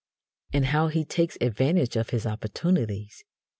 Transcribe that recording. And how he takes advantage of his opportunities!